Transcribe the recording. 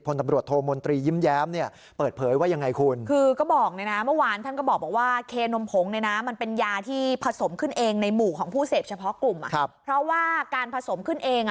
พลตำรวจโทรมนตรียิ้มแย้มเปิดเผยว่ายังไงคุณ